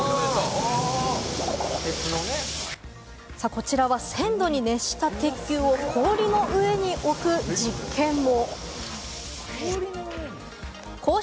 こちらは１０００度に熱した鉄球を氷の上に置く実験も。